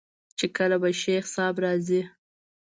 چې کله به شيخ صاحب راځي.